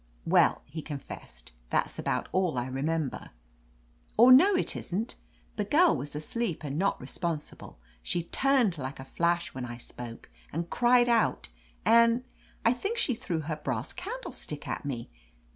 "Well," he confessed, "that's about all I re member. Or no, it isn't. The girl was asleep, and not responsible. She turned like a flash when I spoke, and cried out, and — ^I think she threw her brass candlestick at me!